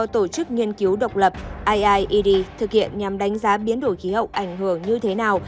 tổ chức nghiên cứu độc lập aie thực hiện nhằm đánh giá biến đổi khí hậu ảnh hưởng như thế nào